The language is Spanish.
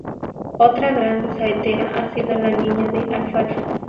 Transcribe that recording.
Otra gran saetera ha sido la Niña de la Alfalfa.